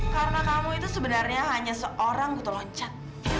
karena kamu itu sebenarnya hanya seorang yang teloncat